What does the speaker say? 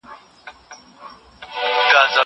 زه له سهاره مړۍ خورم!!